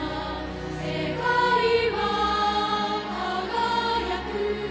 「世界は輝く」